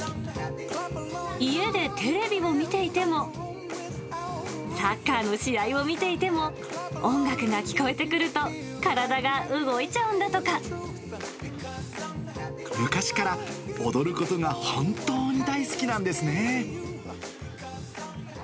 家でテレビを見ていても、サッカーの試合を見ていても、音楽が聞こえてくると、昔から踊ることが本当に大好きなんですね。